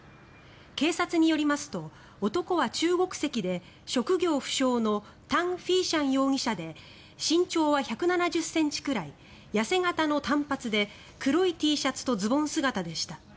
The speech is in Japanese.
警察によりますと男は中国籍で職業不詳のタン・フィーシャン容疑者で身長は１７０ｃｍくらい痩せ形の短髪で黒いＴシャツとズボン姿でした。